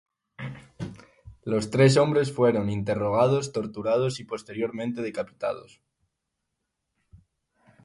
Los tres hombres fueron interrogados, torturados y posteriormente decapitados.